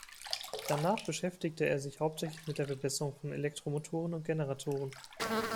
Danach beschäftigte er sich hauptsächlich mit der Verbesserung von Elektromotoren und Generatoren.